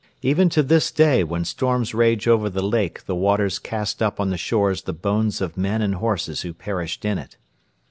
Even to this day when storms rage over the lake the waters cast up on the shores the bones of men and horses who perished in it.